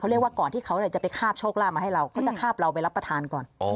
เรียกว่าก่อนที่เขาจะไปคาบโชคลาภมาให้เราเขาจะคาบเราไปรับประทานก่อน